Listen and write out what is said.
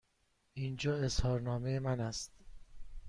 اینجا اظهارنامه من است.